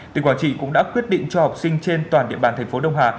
tỉnh quảng trị cũng đã quyết định cho học sinh trên toàn địa bàn thành phố đông hà